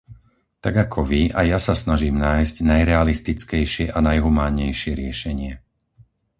Tak ako vy, aj ja sa snažím nájsť najrealistickejšie a najhumánnejšie riešenie.